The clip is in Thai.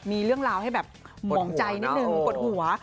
มีเรื่องราวให้แบบหมองใจนิดนึงปวดหัว